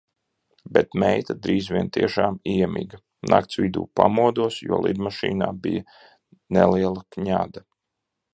Bet meita drīz vien tiešām iemiga. Nakts vidū pamodos, jo lidmašīnā bija neliela kņada.